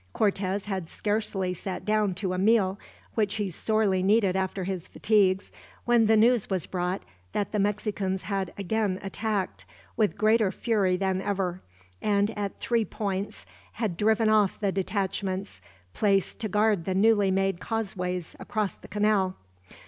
Cortez had scarcely sat down to a meal, which he sorely needed after his fatigues, when the news was brought that the Mexicans had again attacked, with greater fury than ever; and, at three points, had driven off the detachments placed to guard the newly made causeways across the canal.